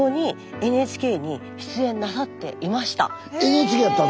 ＮＨＫやったん？